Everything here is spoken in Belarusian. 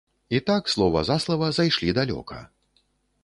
І так, слова за слова, зайшлі далёка.